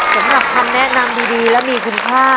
สำหรับคำแนะนำดีและมีคุณค่า